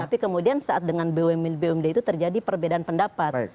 tapi kemudian saat dengan bumn bumd itu terjadi perbedaan pendapat